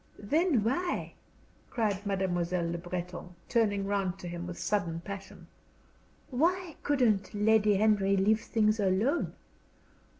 "Then why," cried Mademoiselle Le Breton, turning round to him with sudden passion "why couldn't Lady Henry leave things alone?